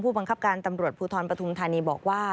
ผู้บังกับการตำรวจผู้ทรปธพฤษฐานีบอกว่า